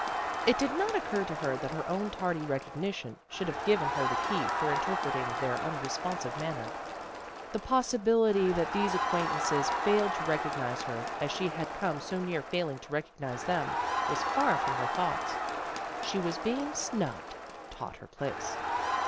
It did not occur to her that her own tardy recognition should have given her the key for interpreting their unresponsive manner. The possibility that these acquaintances failed to recognize her, as she had come so near failing to recognize them, was far from her thoughts. She was being snubbed, taught her place.